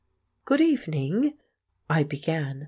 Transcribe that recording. "Good evening," I began.